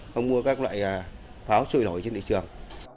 không mua các loại pháo trôi nổi trên thị trường